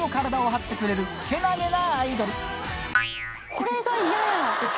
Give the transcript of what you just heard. これが嫌や。